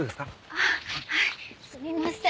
あはいすみません。